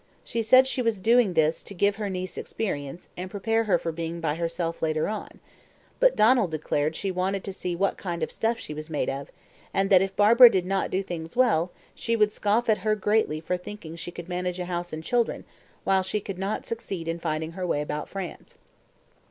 She said she was doing this to give her niece experience and prepare her for being by herself later on; but Donald declared she wanted to see "what kind of stuff" she was made of, and that if Barbara did not do things well, she would scoff at her greatly for thinking she could manage a house and children while she could not succeed in finding her way about France.